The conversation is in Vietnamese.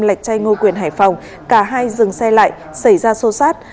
lạch chay ngo quyền hải phòng cả hai dừng xe lại xảy ra sô sát